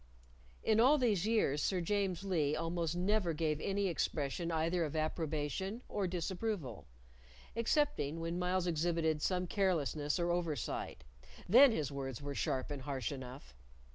In all these years Sir James Lee almost never gave any expression either of approbation or disapproval excepting when Myles exhibited some carelessness or oversight. Then his words were sharp and harsh enough.